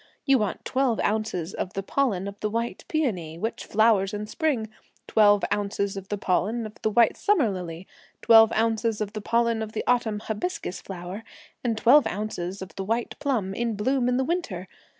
You want twelve ounces of the pollen of the white peone, which flowers in spring, twelve ounces of the pollen of the white summer lily, twelve ounces of the pollen of the autumn hibiscus flower, and twelve ounces of the white plum in bloom in the winter.